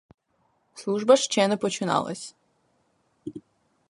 Служба ще не починалась.